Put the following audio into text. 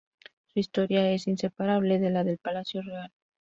Su historia es inseparable de la del Palacio Real.